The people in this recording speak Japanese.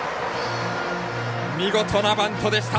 見事なバントでした！